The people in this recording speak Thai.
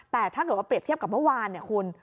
แต่ถ้าเกิดว่าเปรียบเทียบกับเมื่อวานเนี่ยคุณ